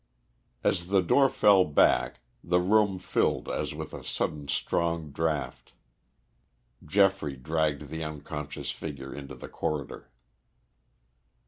As the door fell back the room filled as with a sudden strong draught. Geoffrey dragged the unconscious figure into the corridor.